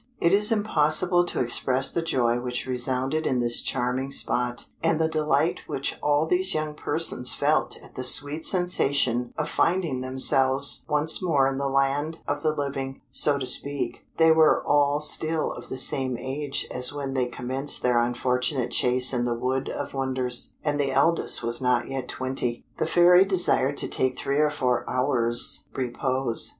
It is impossible to express the joy which resounded in this charming spot, and the delight which all these young persons felt at the sweet sensation of finding themselves once more in the land of the living, so to speak they were all still of the same age as when they commenced their unfortunate chase in the Wood of Wonders, and the eldest was not yet twenty. The Fairy desired to take three or four hours' repose.